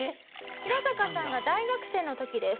ヒラサカさんが大学生の時です。